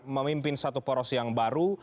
memimpin satu poros yang baru